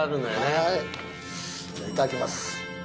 じゃあいただきます。